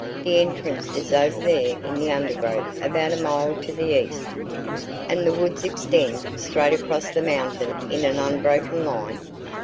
The entrance is over there in the undergrowth about a mile to the east." "And the woods extend straight across the mountain in an unbroken line?"